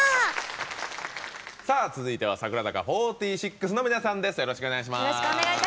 続いては櫻坂４６の皆さんです。